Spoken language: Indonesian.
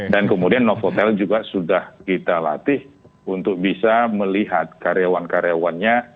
dan kemudian not hotel juga sudah kita latih untuk bisa melihat karyawan karyawannya